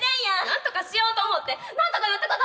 なんとかしようと思ってなんとかなったことあった！？